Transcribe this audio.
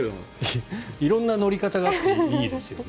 色んな乗り方があっていいですよね。